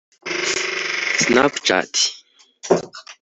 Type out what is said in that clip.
Snapchat